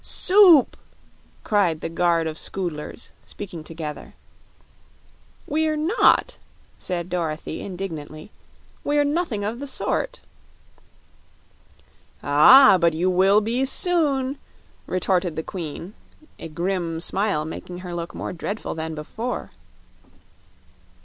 "Soup!" cried the guard of Scoodlers, speaking together. "We're not!" said Dorothy, indignantly; "we're nothing of the sort." "Ah, but you will be soon," retorted the Queen, a grim smile making her look more dreadful than before.